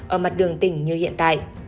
ở mặt đường tỉnh như hiện tại